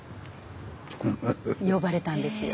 呼ばれたんですよ。